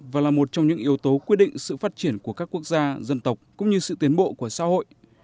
và là một trong những yếu tố quyết định sự phát triển của các quốc gia dân tộc cũng như sự tiến bộ của xã hội